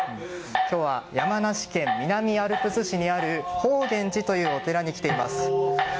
今日は山梨県南アルプス市にある法源寺というお寺に来ています。